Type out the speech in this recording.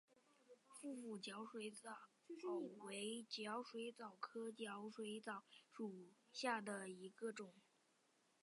腹斧角水蚤为角水蚤科角水蚤属下的一个种。